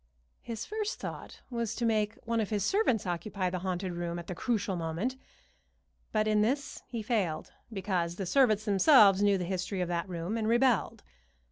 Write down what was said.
His first thought was to make one of his servants occupy the haunted room at the crucial moment; but in this he failed, because the servants themselves knew the history of that room and rebelled.